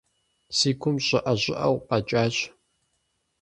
Си гум щӀыӀэ-щӀыӀэу къэкӀащ.